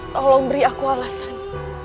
tolong beri aku alasan